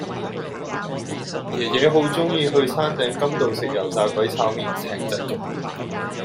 爺爺好鍾意去山頂甘道食油炸鬼炒麵艇仔粥